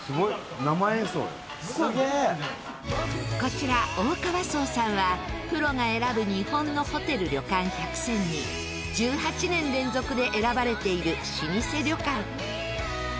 こちら大川荘さんはプロが選ぶ日本のホテル・旅館１００選に１８年連続で選ばれている老舗旅館。